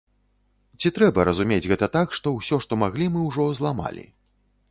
Ці трэба разумець гэта так, што ўсё, што маглі, мы ўжо зламалі?